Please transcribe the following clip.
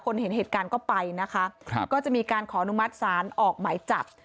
เห็นเหตุการณ์ก็ไปนะคะครับก็จะมีการขออนุมัติศาลออกหมายจับ